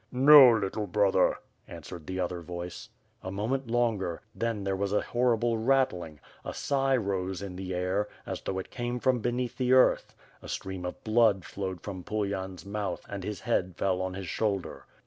'* "No, little brother,* 'answered the other voice. A moment longer, then there was a horrible rattling, a sigh rose in the air, as though it came from beneath the earth; a stream of blood flowed from Pulyan's mouth and his head fell on his shoulder.